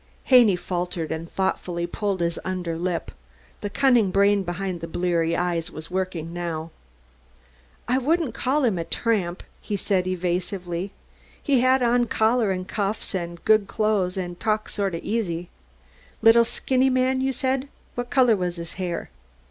Haney faltered and thoughtfully pulled his under lip. The cunning brain behind the bleary eyes was working now. "I wouldn't call him a tramp," he said evasively. "He had on collar an' cuffs an' good clothes, an' talked sort o' easy." "Little, skinny man you said. What color was his hair?"